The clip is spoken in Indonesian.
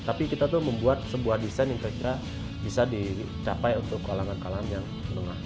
tapi kita tuh membuat sebuah desain yang kira kira bisa dicapai untuk kalangan kalangan yang menengah